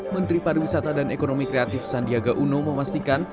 menteri pariwisata dan ekonomi kreatif sandiaga uno memastikan